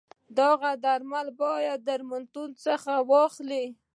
دغه درمل باید درملتون څخه واخلی.